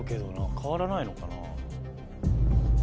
変わらないのかな？